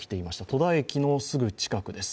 戸田駅のすぐ近くです。